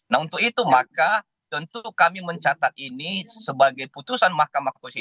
nah untuk itu maka tentu kami mencatat ini sebagai putusan mahkamah konstitusi